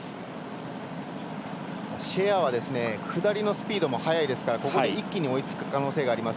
シェアは下りのスピードも速いですからここで一気に追いつく可能性があります。